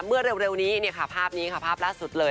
เมื่อเร็วนี้ภาพนี้ค่ะภาพล่าสุดเลย